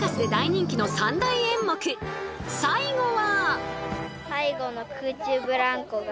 最後は。